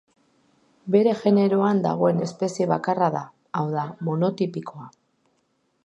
Bere generoan dagoen espezie bakarra da, hau da, monotipikoa.